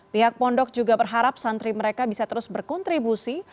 pihak pondok juga berharap santri mereka bisa terus berkontribusi